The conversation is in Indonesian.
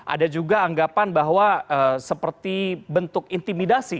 ada juga anggapan bahwa seperti bentuk intimidasi